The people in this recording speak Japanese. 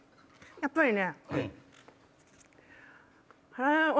やっぱりね。